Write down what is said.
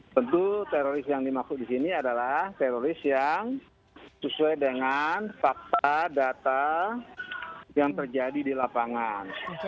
tentu teroris yang dimaksud di sini adalah teroris yang sesuai dengan fakta data yang terjadi di lapangan